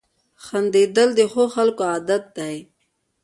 • خندېدل د ښو خلکو عادت دی.